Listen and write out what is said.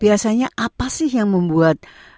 biasanya apa sih yang membuat